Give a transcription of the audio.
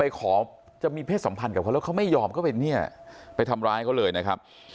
ขอจะมีเพศสัมพันธ์กับเขาแล้วเขาไม่ยอมเข้าไปเนี่ยไปทำร้ายเขาเลยนะครับ